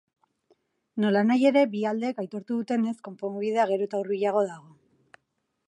Nolanahi ere, bi aldeek aitortu dutenez, konponbidea gero eta hurbilago dago.